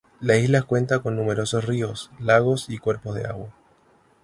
La isla cuenta con numerosos ríos, lagos y cuerpos de agua.